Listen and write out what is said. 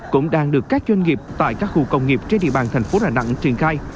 cũng đang được các doanh nghiệp tại các khu công nghiệp trên địa bàn thành phố đà nẵng triển khai